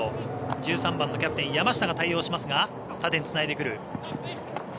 １３番のキャプテン、山下が対応しますが縦につないでくる。